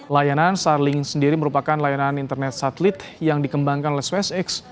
layanan sarling sendiri merupakan layanan internet satelit yang dikembangkan oleh swsx